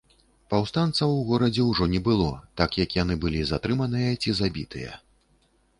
Паўстанцаў у горадзе ўжо не было, так як яны былі затрыманыя ці забітыя.